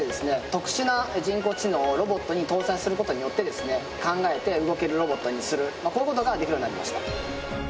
特殊な人工知能をロボットに搭載する事によってですね考えて動けるロボットにするこういう事ができるようになりました。